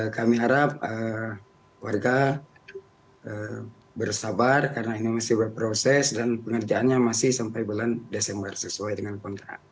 kami harap warga bersabar karena ini masih berproses dan pengerjaannya masih sampai bulan desember sesuai dengan kontrak